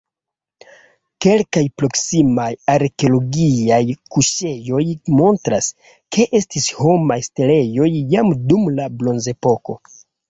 Kelkaj proksimaj arkeologiaj kuŝejoj montras, ke estis homaj setlejoj jam dum la Bronzepoko.